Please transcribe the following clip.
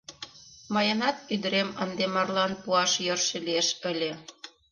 Мыйынат ӱдырем ынде марлан пуаш йӧршӧ лиеш ыле...